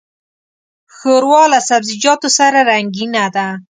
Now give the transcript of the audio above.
ښوروا له سبزيجاتو سره رنګینه ده.